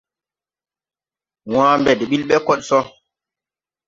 Wãã mbe de ɓil ɓe koɗ so.